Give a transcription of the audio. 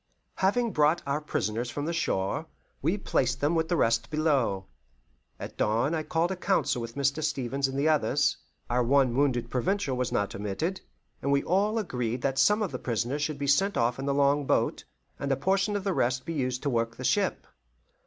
Having brought our prisoners from the shore, we placed them with the rest below. At dawn I called a council with Mr. Stevens and the others our one wounded Provincial was not omitted and we all agreed that some of the prisoners should be sent off in the long boat, and a portion of the rest be used to work the ship.